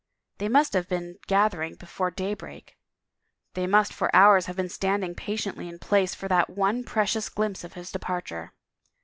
They must have been gathering before daybreak. ... They must for hours have been standing patiently in place for that one pre cious glimpse of his departure.